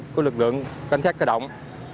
của lực lượng quan sát cơ động